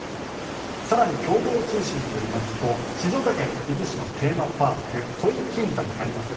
更に、共同通信によりますと静岡県伊豆市のテーマパーク土肥金山にあります